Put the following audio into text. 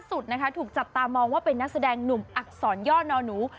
สุดนะคะถูกจับตามองว่าเป็นนักแสดงหนุ่มอักษรย่อนอนอหนู